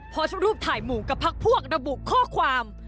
โพสต์รูปถ่ายหมู่กับพักพวกระบุข้อความ